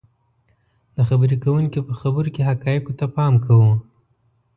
. د خبرې کوونکي په خبرو کې حقایقو ته پام کوو